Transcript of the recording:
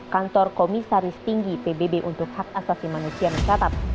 kantor komisaris tinggi pbb untuk hak asasi manusia mencatat